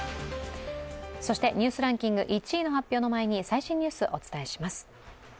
そして「ニュースランキング」１位の発表の前に最新ニュースお伝えします。